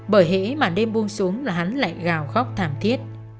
bởi hễ màn đêm buông xuống là hắn lại gào khóc thảm thiết